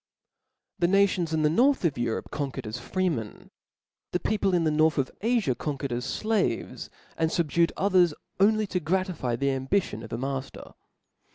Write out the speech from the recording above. ' I H E nations in the north of Europe con* *' qucrcd as freemen ; the people in the north of A 04 conquered as (laves, and fubdued as others only to gratify the ambition of ^ mafter.